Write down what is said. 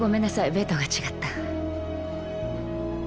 ベッドが違った。